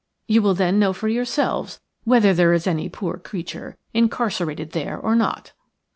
You will then know for yourselves whether there is any poor creature incarcerated there or not."